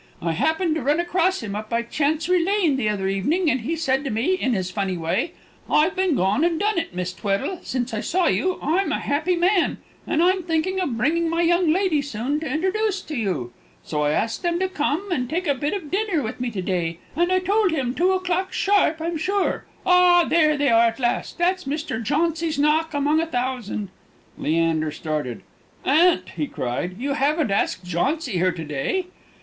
I happened to run across him up by Chancery Lane the other evening, and he said to me, in his funny way, 'I've been and gone and done it, Miss Tweddle, since I saw you. I'm a happy man; and I'm thinking of bringing my young lady soon to introduce to you.' So I asked them to come and take a bit of dinner with me to day, and I told him two o'clock sharp, I'm sure. Ah, there they are at last! That's Mr. Jauncy's knock, among a thousand." Leander started. "Aunt!" he cried, "you haven't asked Jauncy here to day?"